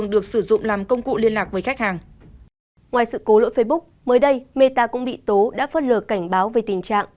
ngoài sự cố lỗi facebook mới đây meta cũng bị tố đã phớt lờ cảnh báo về tình trạng